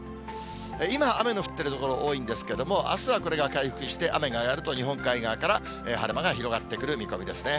今、雨の降っている所多いんですけれども、あすは、これが回復して、雨が上がると、日本海側から晴れ間が広がってくる見込みですね。